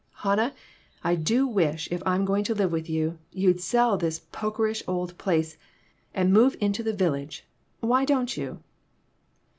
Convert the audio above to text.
" Hannah, I do wish, if I'm going to live with you, you'd sell this pokerish old place and move into the village. Why don't you?"